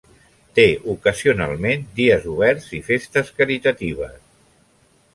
Té ocasionalment dies oberts i festes caritatives.